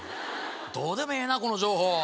どうでもええなこの情報。